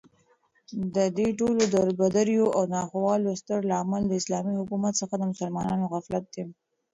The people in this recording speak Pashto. ددې ټولو دربدريو او ناخوالو ستر لامل داسلامې حكومت څخه دمسلمانانو غفلت دى